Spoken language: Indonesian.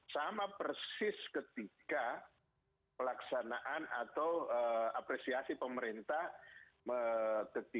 sama persis ketika pelaksanaan atau apresiasi pemerintah ketika olimpiade yang selesai